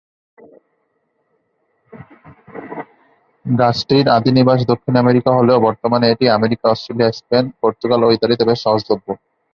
গাছটির আদি নিবাস দক্ষিণ আমেরিকা হলেও বর্তমানে এটি আমেরিকা, অস্ট্রেলিয়া, স্পেন, পর্তুগাল ও ইতালিতে বেশ সহজলভ্য।